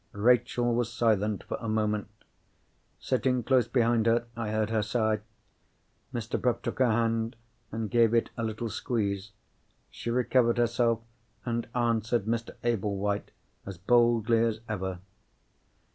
Rachel was silent for a moment. Sitting close behind her, I heard her sigh. Mr. Bruff took her hand, and gave it a little squeeze. She recovered herself, and answered Mr. Ablewhite as boldly as ever.